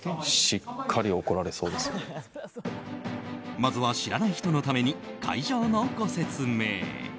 まずは知らない人のために会場のご説明。